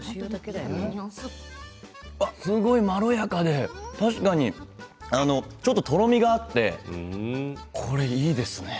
すごいまろやかで確かにちょっととろみがあってこれいいですね。